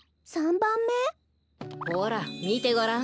ほらみてごらん。